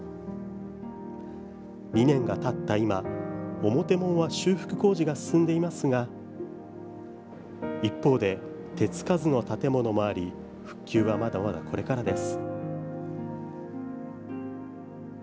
２年がたった今表門は修復工事が進んでいますが一方で、手付かずの建物もあり復旧はまだまだこれからです。